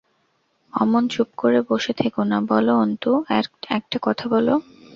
–অমন চুপ করে বসে থেকো না, বলো অন্তু, একটা কথা বলো।